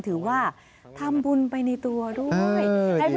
ถือว่าทำบุญไปในตัวด้วย